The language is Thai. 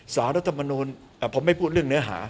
สารรัฐมนูลผมไม่พูดเรื่องเนื้อหา